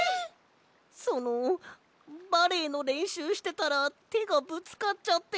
そのバレエのれんしゅうしてたらてがぶつかっちゃって。